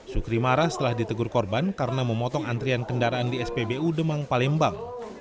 sukri marah setelah ditegur korban karena memotong antrian kendaraan di spbu demang palembang